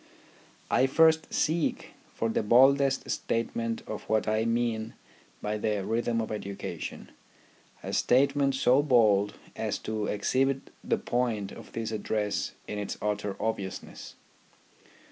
I first seek for the baldest statement of what I mean by the Rhythm of Education, a statement so bald as to exhibit the point of this address in its utter obviousness.